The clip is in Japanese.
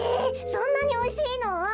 そんなにおいしいの？